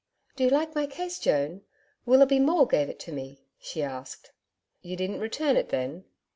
'Do you like my case, Joan? Willoughby Maule gave it to me,' she asked. 'You didn't return it then?'